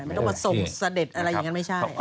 ไม่ต้องมาส่งเสด็จอะไรอย่างนั้นไม่ใช่